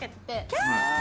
キャー！